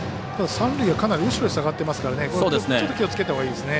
三塁は、かなり後ろに下がっていますからちょっと気をつけたほうがいいですね。